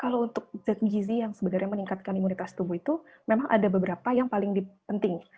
kalau untuk zat gizi yang sebenarnya meningkatkan imunitas tubuh itu memang ada beberapa yang paling penting